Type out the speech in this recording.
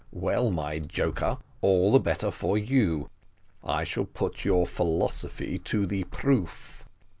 well, my joker, all the better for you; I shall put your philosophy to the proof."